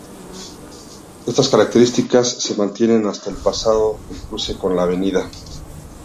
Estas características se mantienen hasta pasado el cruce con la Av.